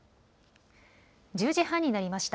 １０時半になりました。